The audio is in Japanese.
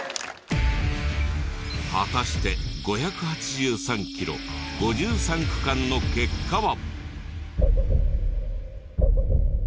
果たして５８３キロ５３区間の結果は。